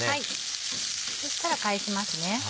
そしたら返しますね。